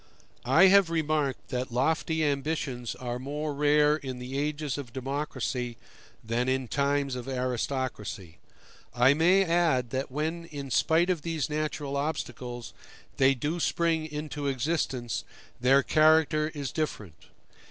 I have remarked that lofty ambitions are more rare in the ages of democracy than in times of aristocracy: I may add that when, in spite of these natural obstacles, they do spring into existence, their character is different.